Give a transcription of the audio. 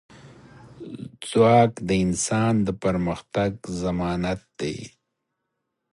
ځواک د انسان د پرمختګ ضمانت دی.